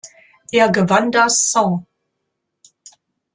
Er gewann dann das »St.